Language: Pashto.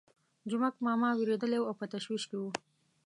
جومک ماما وېرېدلی وو او په تشویش کې وو.